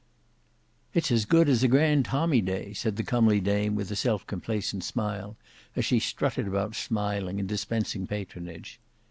"It's as good as a grand tommy day," said the comely dame with a self complacent smile as she strutted about smiling and dispensing patronage.